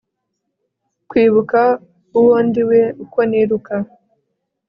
kwibuka uwo ndiwe uko niruka